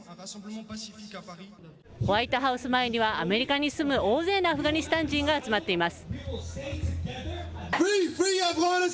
ホワイトハウス前にはアメリカに住む大勢のアフガニスタン人が集まっています。